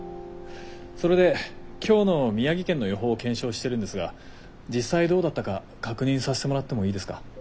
それで今日の宮城県の予報を検証してるんですが実際どうだったか確認させてもらってもいいですか？